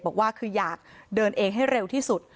บอกว่าคืออยากเดินเองให้เร็วที่สุด